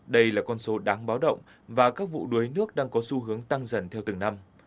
đây là con số đáng báo động và các vụ đuối nước đang có xu hướng tăng dần theo từng năm